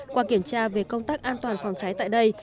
qua kiểm tra về công tác an toàn phòng cháy tại đây